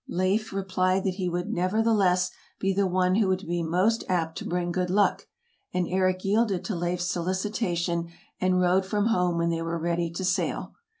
Leif re plied that he would nevertheless be the one who would be most apt to bring good luck, and Eric yielded to Leif's solicitation, and rode from home when they were ready to sail.